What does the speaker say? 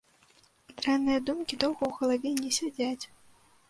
Дрэнныя думкі доўга ў галаве не сядзяць.